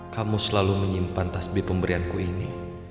kamu selalu menyimpan tasbih pemberianku ini